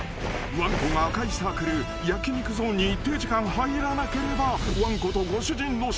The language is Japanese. ［わんこが赤いサークル焼き肉ゾーンに一定時間入らなければわんことご主人の勝利］